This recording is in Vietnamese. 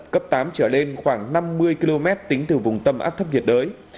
cấp tám trở lên khoảng năm mươi km tính từ vùng tâm áp thấp nhiệt đới